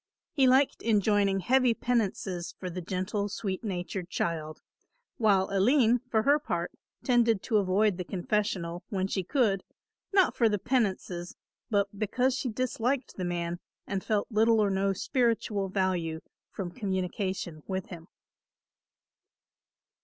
He liked enjoining heavy penances for the gentle sweet natured child; while Aline, for her part, tended to avoid the confessional, when she could, not for the penances, but because she disliked the man and felt little or no spiritual value from communication with him.